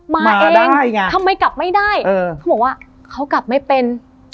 มาเองทำไมกลับไม่ได้เขาบอกว่าเขากลับไม่เป็น